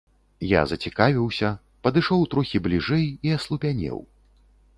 Я зацікавіўся, падышоў трохі бліжэй і аслупянеў.